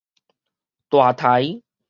大刣